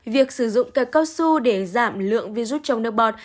việc sử dụng kẹo cao su để giảm lượng virus trong nước bọt